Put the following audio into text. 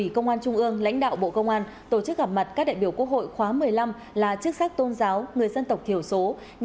bộ công an tổ chức gặp mặt các đại biểu quốc hội khóa một mươi năm là chức sắc tôn giáo người dân tộc thiểu số